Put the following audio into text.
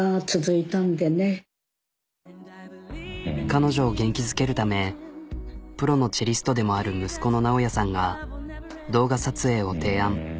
彼女を元気づけるためプロのチェリストでもある息子の直哉さんが動画撮影を提案。